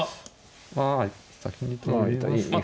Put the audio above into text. まあ先に取りたいですね。